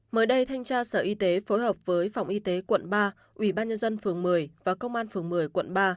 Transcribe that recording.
mới đây thanh tra sở y tế phối hợp với phòng y tế quận ba ubnd phường một mươi và công an phường một mươi quận ba